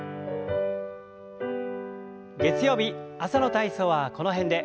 月曜日朝の体操はこの辺で。